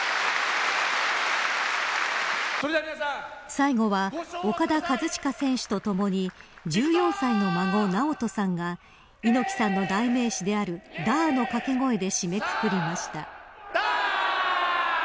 最後はオカダ・カズチカ選手とともに１４歳の孫、尚登さんが猪木さんの代名詞であるダーの掛け声で締めくくりました。